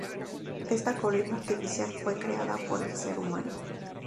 Esta colina artificial fue creada por el ser humano.